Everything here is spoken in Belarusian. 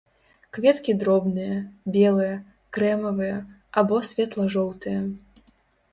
Кветкі дробныя, белыя, крэмавыя або светла-жоўтыя.